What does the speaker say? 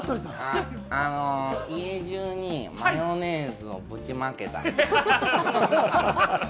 あの、家中にマヨネーズをぶちまけた。